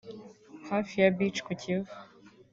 hafi ya Beach ku Kivu